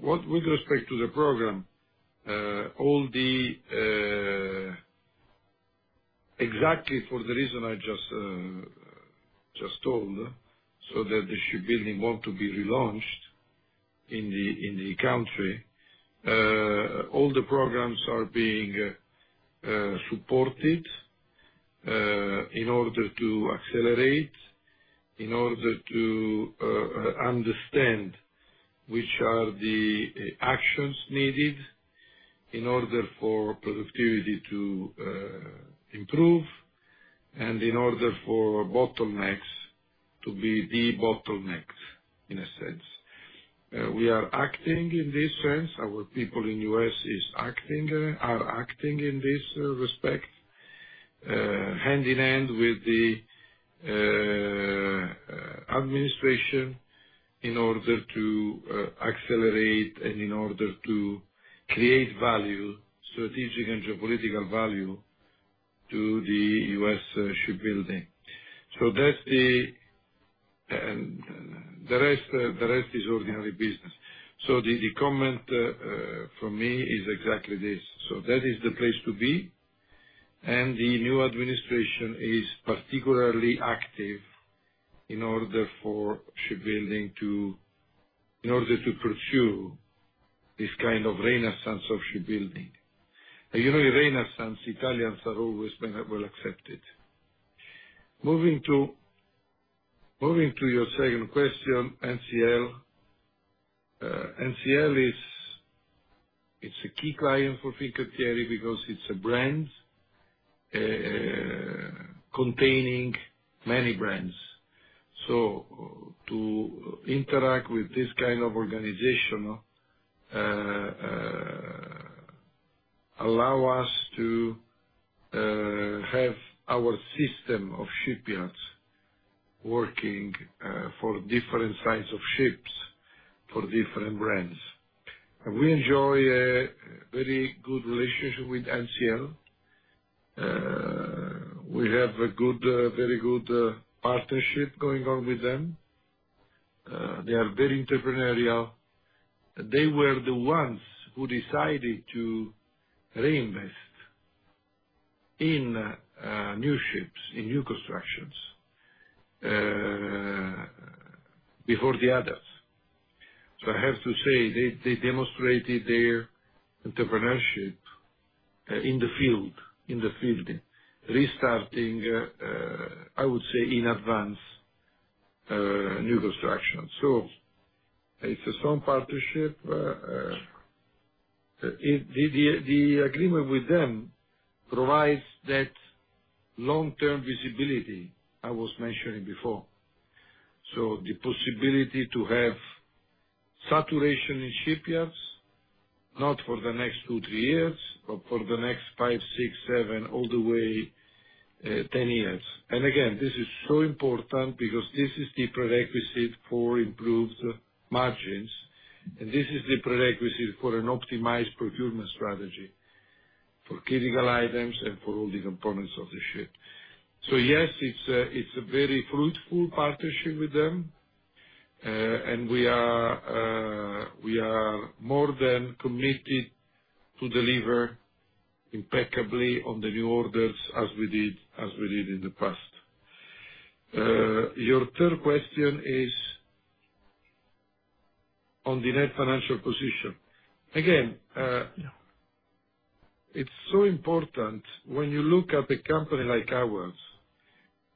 With respect to the program, all the, exactly for the reason I just told, so that the shipbuilding want to be relaunched in the country, all the programs are being supported in order to accelerate, in order to understand which are the actions needed in order for productivity to improve, and in order for bottlenecks to be de-bottlenecked in a sense. We are acting in this sense. Our people in the U.S. are acting in this respect, hand in hand with the administration in order to accelerate and in order to create value, strategic and geopolitical value to the U.S. shipbuilding. That is the rest is ordinary business. The comment from me is exactly this. That is the place to be. The new administration is particularly active in order for shipbuilding to in order to pursue this kind of renaissance of shipbuilding. You know the renaissance, Italians are always well accepted. Moving to your second question, NCL. NCL is a key client for Fincantieri because it's a brand containing many brands. To interact with this kind of organization allows us to have our system of shipyards working for different sizes of ships for different brands. We enjoy a very good relationship with NCL. We have a very good partnership going on with them. They are very entrepreneurial. They were the ones who decided to reinvest in new ships, in new constructions before the others. I have to say they demonstrated their entrepreneurship in the field, restarting, I would say, in advance new construction. It is a strong partnership. The agreement with them provides that long-term visibility I was mentioning before. The possibility to have saturation in shipyards, not for the next two, three years, but for the next five, six, seven, all the way 10 years. This is so important because this is the prerequisite for improved margins. This is the prerequisite for an optimized procurement strategy for critical items and for all the components of the ship. Yes, it is a very fruitful partnership with them. We are more than committed to deliver impeccably on the new orders as we did in the past. Your third question is on the net financial position. Again, it's so important when you look at a company like ours,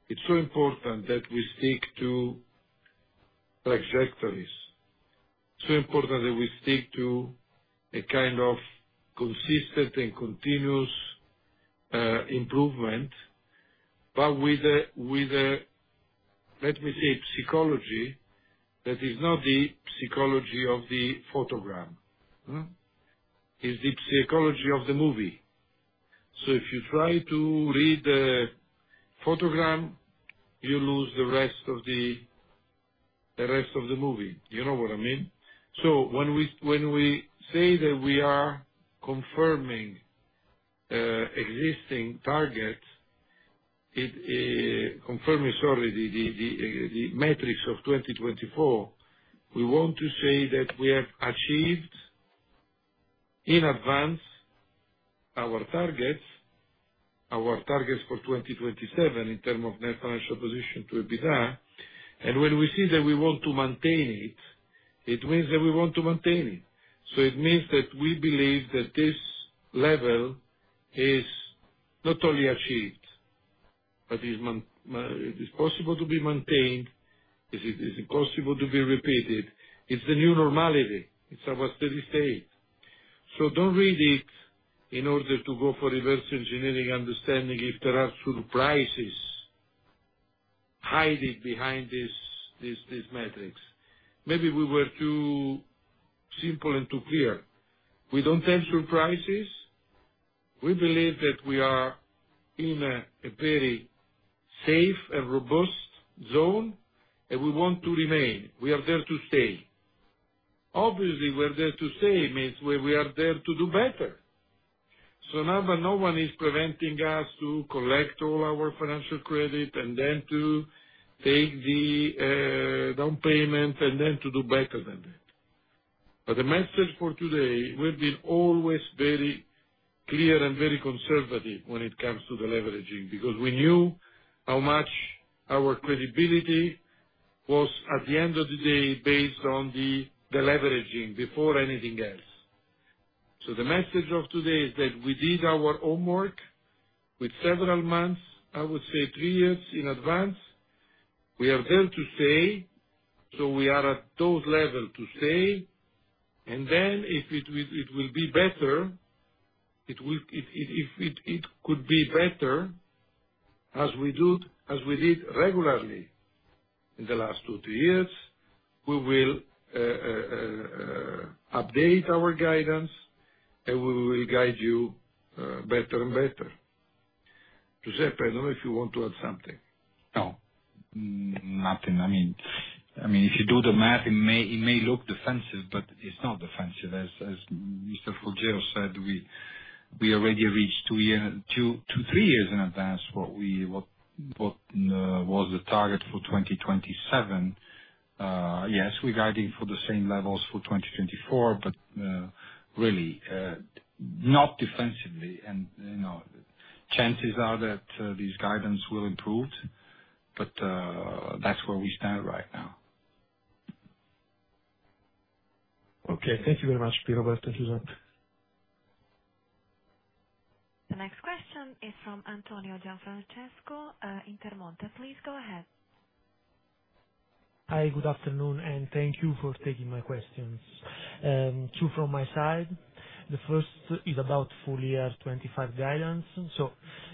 it's so important that we stick to trajectories. It's so important that we stick to a kind of consistent and continuous improvement, but with, let me say, psychology that is not the psychology of the photogram. It's the psychology of the movie. If you try to read the photogram, you lose the rest of the movie. You know what I mean? When we say that we are confirming existing targets, confirming, sorry, the metrics of 2024, we want to say that we have achieved in advance our targets, our targets for 2027 in terms of net financial position to be there. When we see that we want to maintain it, it means that we want to maintain it. It means that we believe that this level is not only achieved, but it's possible to be maintained. It's impossible to be repeated. It's the new normality. It's our steady state. Do not read it in order to go for reverse engineering understanding if there are surprises hiding behind these metrics. Maybe we were too simple and too clear. We do not tell surprises. We believe that we are in a very safe and robust zone, and we want to remain. We are there to stay. Obviously, we're there to stay means we are there to do better. Now no one is preventing us from collecting all our financial credit and then to take the down payment and then to do better than that. The message for today, we've been always very clear and very conservative when it comes to the leveraging because we knew how much our credibility was at the end of the day based on the leveraging before anything else. The message of today is that we did our homework with several months, I would say three years in advance. We are there to stay. We are at those levels to stay. If it will be better, if it could be better as we did regularly in the last two or three years, we will update our guidance, and we will guide you better and better. Giuseppe, I don't know if you want to add something. No, nothing. I mean, if you do the math, it may look defensive, but it's not defensive. As Mr. Folgiero said, we already reached two to three years in advance what was the target for 2027. Yes, we're guiding for the same levels for 2024, but really not defensively. Chances are that this guidance will improve, but that's where we stand right now. Okay. Thank you very much, Pierroberto. The next question is from Antonio Gianfrancesco, Intermonte. Please go ahead. Hi, good afternoon, and thank you for taking my questions. Two from my side. The first is about full year 2025 guidance.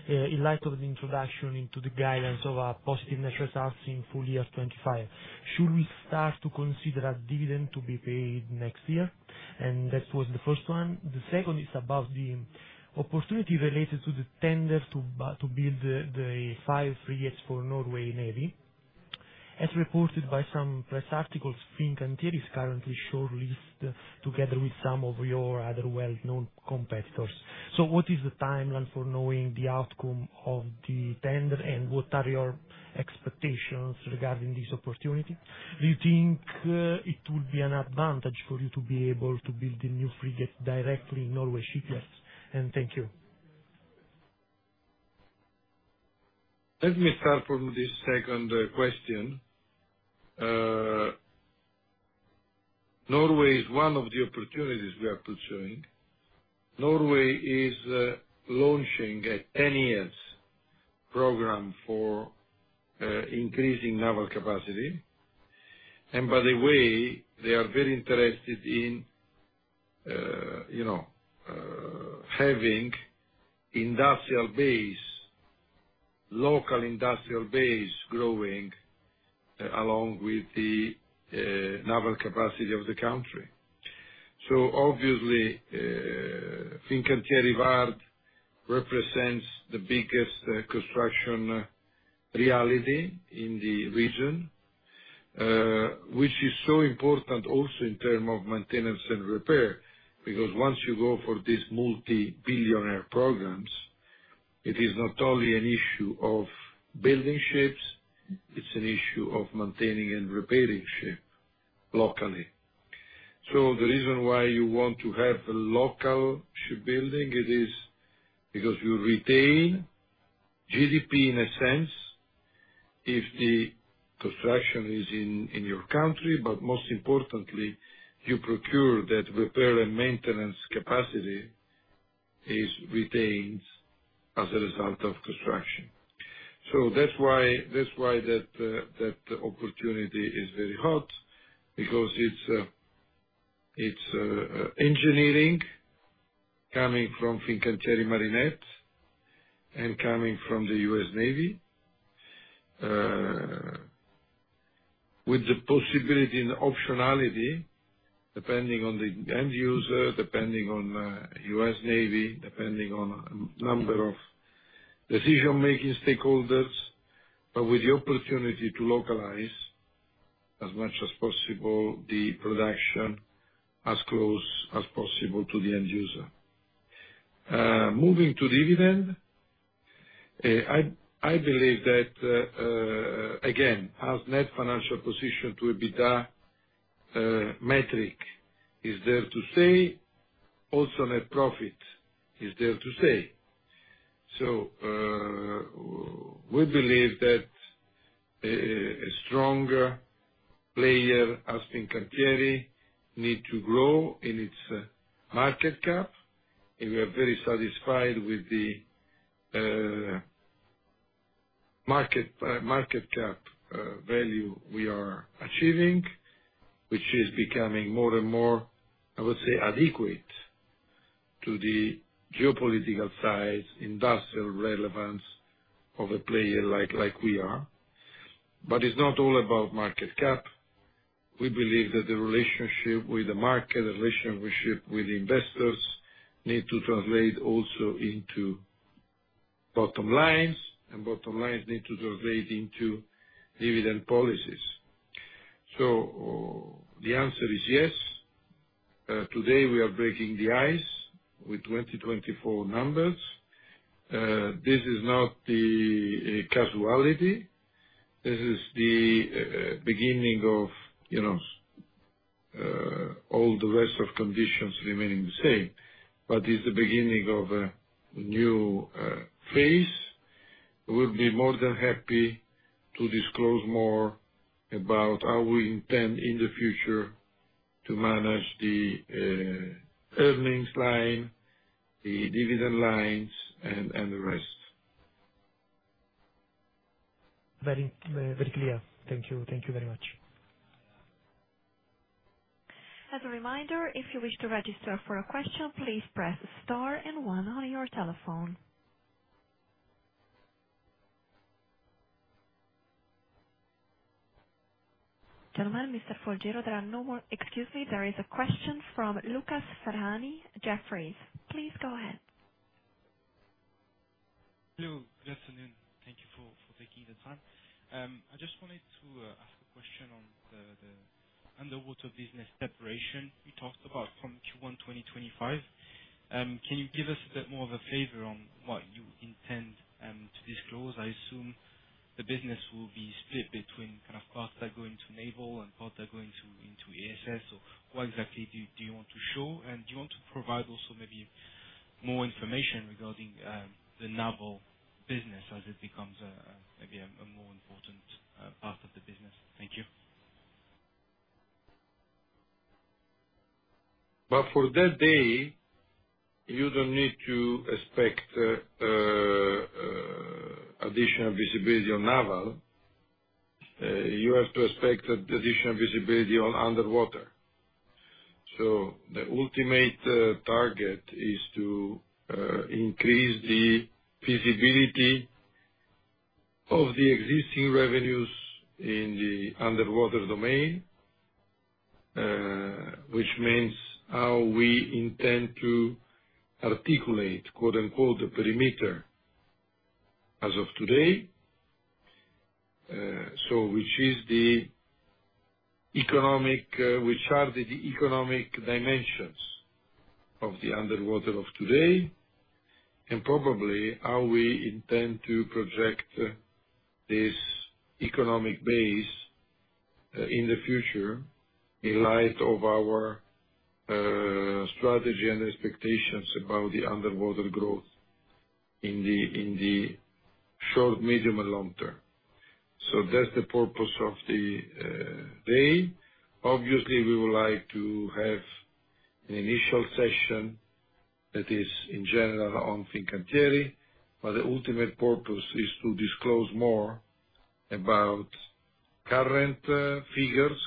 In light of the introduction into the guidance of positive net results in full year 2025, should we start to consider a dividend to be paid next year? That was the first one. The second is about the opportunity related to the tender to build the five frigates for Norway Navy. As reported by some press articles, Fincantieri is currently shortlisted together with some of your other well-known competitors. What is the timeline for knowing the outcome of the tender, and what are your expectations regarding this opportunity? Do you think it would be an advantage for you to be able to build the new frigates directly in Norway shipyards? Thank you. Let me start from this second question. Norway is one of the opportunities we are pursuing. Norway is launching a 10-year program for increasing naval capacity. By the way, they are very interested in having local industrial base growing along with the naval capacity of the country. Obviously, Fincantieri VARD represents the biggest construction reality in the region, which is so important also in terms of maintenance and repair because once you go for these multi-billionaire programs, it is not only an issue of building ships. It's an issue of maintaining and repairing ships locally. The reason why you want to have local shipbuilding is because you retain GDP in a sense if the construction is in your country, but most importantly, you procure that repair and maintenance capacity is retained as a result of construction. That opportunity is very hot because it's engineering coming from Fincantieri Marinette and coming from the U.S. Navy, with the possibility and optionality depending on the end user, depending on U.S. Navy, depending on the number of decision-making stakeholders, but with the opportunity to localize as much as possible the production as close as possible to the end user. Moving to dividend, I believe that, again, as net financial position to EBITDA metric is there to stay. Also, net profit is there to stay. We believe that a stronger player as Fincantieri needs to grow in its market cap. We are very satisfied with the market cap value we are achieving, which is becoming more and more, I would say, adequate to the geopolitical size, industrial relevance of a player like we are. It is not all about market cap. We believe that the relationship with the market, the relationship with investors needs to translate also into bottom lines, and bottom lines need to translate into dividend policies. The answer is yes. Today, we are breaking the ice with 2024 numbers. This is not the casuality. This is the beginning of all the rest of conditions remaining the same. It is the beginning of a new phase. We'll be more than happy to disclose more about how we intend in the future to manage the earnings line, the dividend lines, and the rest. Very clear. Thank you. Thank you very much. As a reminder, if you wish to register for a question, please press star and one on your telephone. Gentlemen, Mr. Folgiero, there are no more, excuse me. There is a question from Lucas Ferhani, Jefferies. Please go ahead. Hello. Good afternoon. Thank you for taking the time. I just wanted to ask a question on the underwater business separation you talked about from Q1 2025. Can you give us a bit more of a flavor on what you intend to disclose? I assume the business will be split between kind of parts that go into naval and parts that go into ESS. What exactly do you want to show? Do you want to provide also maybe more information regarding the naval business as it becomes maybe a more important part of the business? Thank you. For that day, you do not need to expect additional visibility on naval. You have to expect additional visibility on underwater. The ultimate target is to increase the visibility of the existing revenues in the underwater domain, which means how we intend to articulate "the perimeter" as of today, which is the economic, which are the economic dimensions of the underwater of today, and probably how we intend to project this economic base in the future in light of our strategy and expectations about the underwater growth in the short, medium, and long term. That is the purpose of the day. Obviously, we would like to have an initial session that is in general on Fincantieri, but the ultimate purpose is to disclose more about "current figures"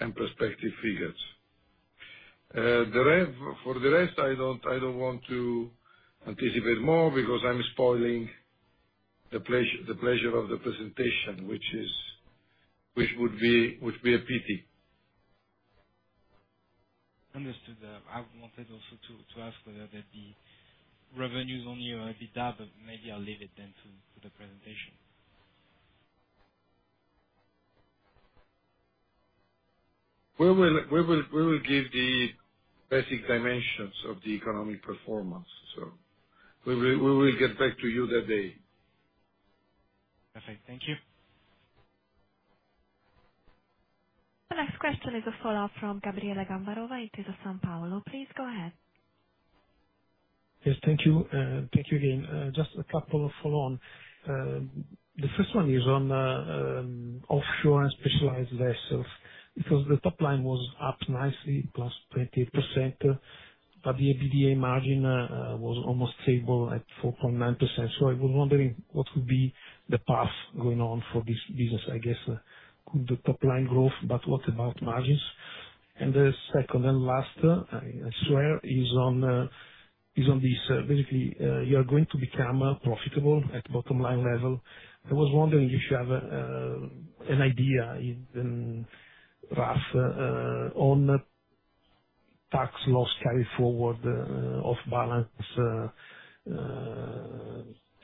and prospective figures. For the rest, I don't want to anticipate more because I'm spoiling the pleasure of the presentation, which would be a pity. Understood. I wanted also to ask whether the revenues on the EBITDA, but maybe I'll leave it then to the presentation. We will give the basic dimensions of the economic performance. We will get back to you that day. Perfect. Thank you. The next question is a follow-up from Gabriele Gambarova Intesa Sanpaolo. Please go ahead. Yes, thank you. Thank you again. Just a couple of follow-on. The first one is on offshore and specialized vessels. Because the top line was up nicely, +28%, but the EBITDA margin was almost stable at 4.9%. I was wondering what would be the path going on for this business. I guess the top line growth, but what about margins? The second and last, I swear, is on these. Basically, you are going to become profitable at bottom line level. I was wondering if you have an idea, Raf, on tax loss carry forward of balance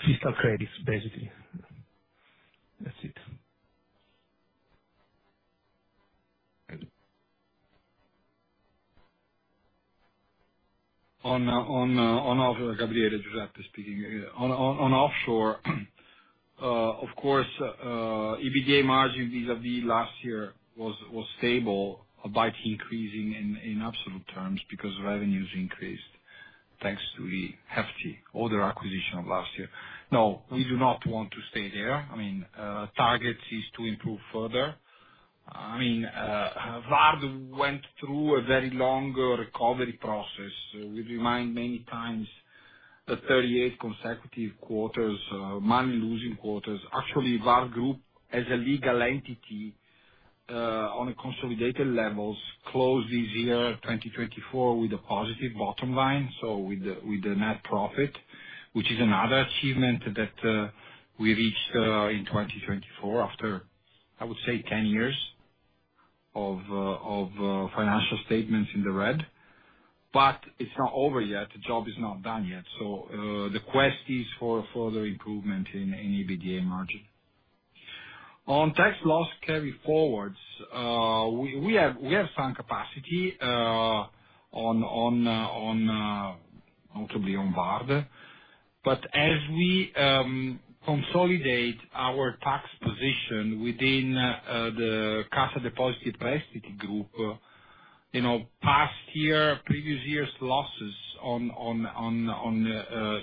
fiscal credits, basically. That's it. On Gabriele Giuseppe speaking. On offshore, of course, EBITDA margin vis-à-vis last year was stable, but increasing in absolute terms because revenues increased thanks to the hefty order acquisition of last year. No, we do not want to stay there. I mean, target is to improve further. I mean, VARD went through a very long recovery process. We remind many times that 38 consecutive quarters, money-losing quarters. Actually, VARD Group, as a legal entity on a consolidated level, closed this year 2024 with a positive bottom line, so with the net profit, which is another achievement that we reached in 2024 after, I would say, 10 years of financial statements in the red. It is not over yet. The job is not done yet. The quest is for further improvement in EBITDA margin. On tax loss carry forwards, we have some capacity notably on VARD. As we consolidate our tax position within the Cassa Depositi e Prestiti Group, past year, previous year's losses on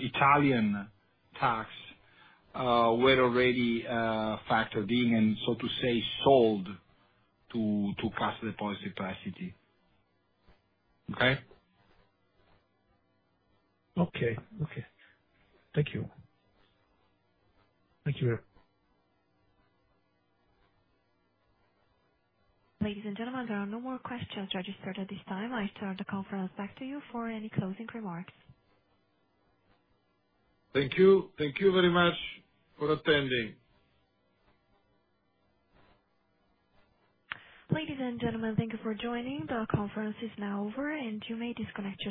Italian tax were already factored in and, so to say, sold to Cassa Depositi e Prestiti. Okay? Okay. Okay. Thank you. Thank you. Ladies and gentlemen, there are no more questions registered at this time. I turn the conference back to you for any closing remarks. Thank you. Thank you very much for attending. Ladies and gentlemen, thank you for joining. The conference is now over, and you may disconnect.